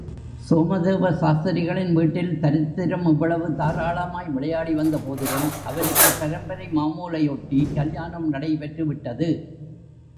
சோமதேவ சாஸ்திரிகளின் வீட்டில் தரித்திரம் இவ்வளவு தாராளமாய் விளையாடி வந்தபோதிலும், அவருக்கும் பரம்பரை மாமூலையொட்டி கல்யாணம் நடைபெற்று விட்டது.